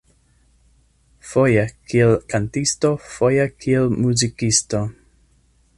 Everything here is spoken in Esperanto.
Foje kiel kantisto foje kiel muzikisto.